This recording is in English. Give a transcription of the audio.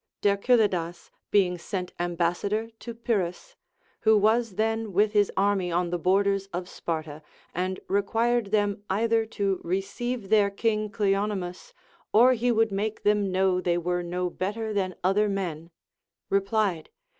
Dercyllidas, being sent ambassador to Pyrrhus, — who was then Avith his army on the borders of Sparta, and re quired them either to receive their king Cleonymus, or he would make them know they were no better than other men, — replied.